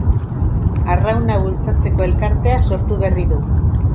Arrauna bultzatzeko elkartea sortu berri du.